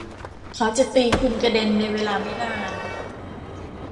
เขาจะตีคุณกระเด็นในเวลาไม่นาน